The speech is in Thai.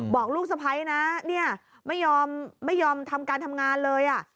บอกลูกสะพ้ายนะไม่ยอมทำการทำงานเลย